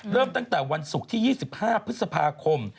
เริ่มตั้งแต่วันศุกร์ที่๒๕พฤษภาคม